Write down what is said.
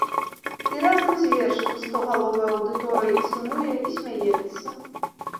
І разам з вершам стогаловая аўдыторыя і сумуе і смяецца.